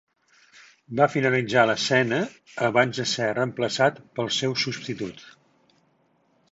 Va finalitzar l'escena abans de ser reemplaçat pel seu substitut.